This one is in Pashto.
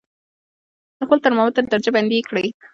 د خپل ترمامتر درجه بندي یې کړئ.